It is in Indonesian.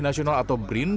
nasional atau brin